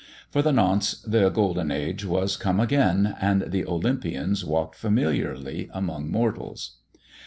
For the nonce the Golden Age was come again, and the Olympians walked familiarly amongst mortals.